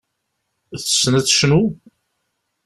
Tessen ad tecnu?